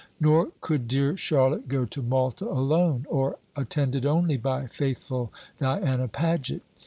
Nor could dear Charlotte go to Malta alone, or attended only by faithful Diana Paget.